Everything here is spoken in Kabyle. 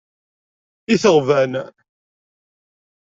Itɣebben.